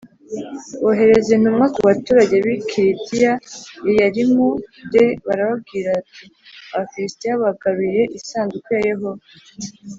bohereza intumwa ku baturage b i Kiriyati Yeyarimu d barababwira bati Abafilisitiya bagaruye isanduku ya Yehova